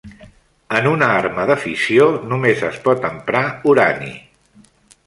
En una arma de fissió només es pot emprar urani.